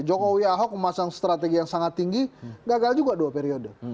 jokowi ahok memasang strategi yang sangat tinggi gagal juga dua periode